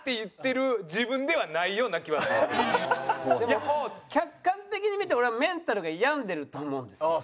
いや客観的に見て俺はメンタルが病んでると思うんですよ。